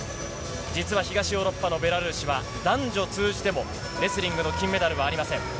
実は東ヨーロッパのベラルーシは男女通じてもレスリングの金メダルはありません。